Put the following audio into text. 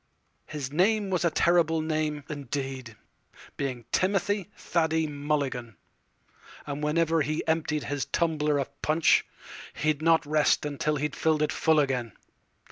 His name was a terrible name, indeed, Being Timothy Thady Mulligan; And whenever he emptied his tumbler of punchHe 'd not rest till he fill'd it full again.